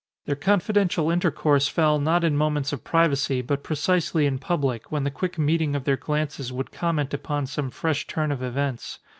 Their confidential intercourse fell, not in moments of privacy, but precisely in public, when the quick meeting of their glances would comment upon some fresh turn of events.